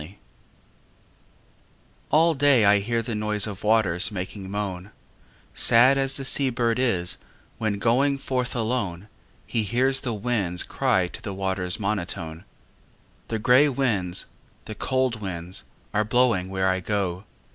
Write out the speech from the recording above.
XXXV All day I hear the noise of waters Making moan, Sad as the sea bird is, when going Forth alone, He hears the winds cry to the water's Monotone. The grey winds, the cold winds are blowing Where I go.